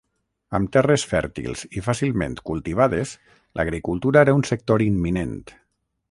Amb terres fèrtils i fàcilment cultivades, l'agricultura era un sector imminent.